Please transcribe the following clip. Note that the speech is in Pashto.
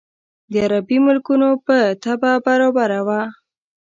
د عربي ملکونو په طبع برابره وه.